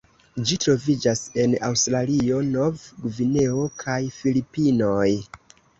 Ĝi troviĝas en Aŭstralio, Nov-Gvineo kaj Filipinoj.